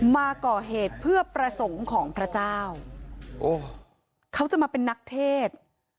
มาก่อเหตุเพื่อประสงค์ของพระเจ้าโอ้เขาจะมาเป็นนักเทศ